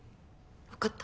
わかった。